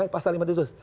pasal lima itu terus